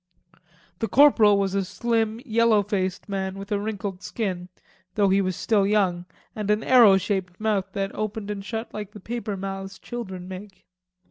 The corporal was a slim yellow faced man with a wrinkled skin, though he was still young, and an arrow shaped mouth that opened and shut like the paper mouths children make.